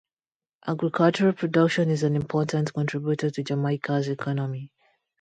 Agricultural production is an important contributor to Jamaica's economy.